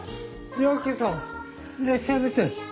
ようこそいらっしゃいませ。